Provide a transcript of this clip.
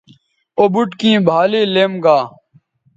او بُٹ کیں بھالے لیم گا